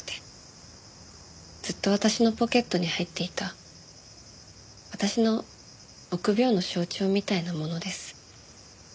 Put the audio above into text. ずっと私のポケットに入っていた私の臆病の象徴みたいなものです。